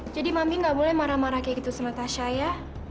jadi mami gak boleh marah marah kayak gitu sama tasya ya